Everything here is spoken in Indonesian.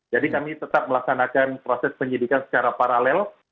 jadi kami tetap melaksanakan proses penyelidikan secara paralel